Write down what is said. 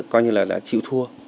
coi như là đã chịu thua